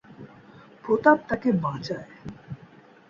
প্রতাপ তাকে বাঁচায়।